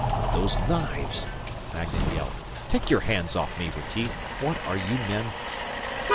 "Those knives!" Magnan yelped. "Take your hands off me, Retief! What are you men